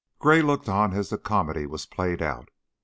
Gray looked on as the comedy was played out.